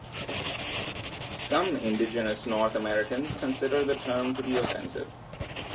Some indigenous North Americans consider the term to be offensive.